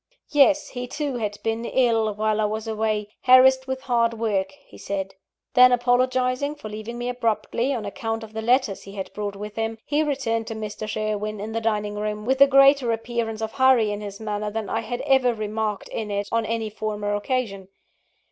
Yes, he too had been ill while I was away harassed with hard work, he said. Then apologising for leaving me abruptly, on account of the letters he had brought with him, he returned to Mr. Sherwin, in the dining room, with a greater appearance of hurry in his manner than I had ever remarked in it on any former occasion.